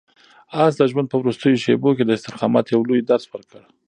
آس د ژوند په وروستیو شېبو کې د استقامت یو لوی درس ورکړ.